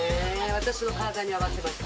私の体に合わせました。